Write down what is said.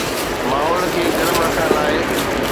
ماحول کي گرم رکڻ لاءِ